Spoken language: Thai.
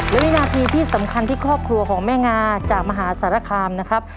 และวินาทีที่สำคัญที่ครอบครัวของแม่งาจากมหาสารคามนะครับ